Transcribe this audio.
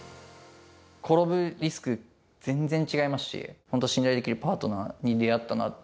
転ぶリスクって全然違いますし、本当、信頼できるパートナーに出会ったなって。